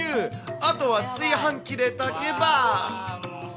あとは炊飯器で炊けば。